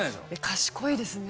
賢いですね。